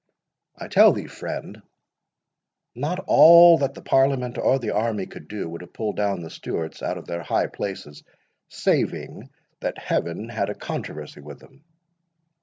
I tell thee, friend, not all that the Parliament or the army could do would have pulled down the Stewarts out of their high places, saving that Heaven had a controversy with them.